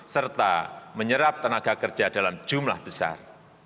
serta menyerap tenaga kerja dalam jumlah besar